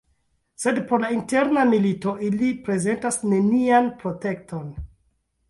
Sed pro la interna milito, ili prezentas nenian protekton.